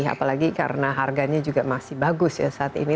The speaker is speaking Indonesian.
apalagi karena harganya juga masih bagus ya saat ini